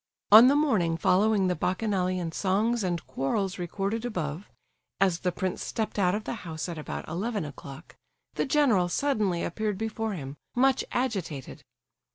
On the morning following the bacchanalian songs and quarrels recorded above, as the prince stepped out of the house at about eleven o'clock, the general suddenly appeared before him, much agitated.